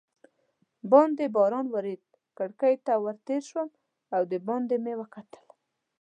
باندې باران ورېده، کړکۍ ته ور تېر شوم او دباندې مې وکتل.